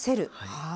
はい。